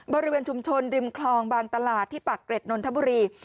บริเวณชุมชนริมคลองบางตลาดที่ปากเกร็ดนนทบุรี